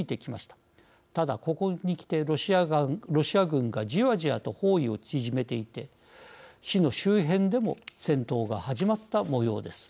ただ、ここにきてロシア軍がじわじわと包囲を縮めていて市の周辺でも戦闘が始まったもようです。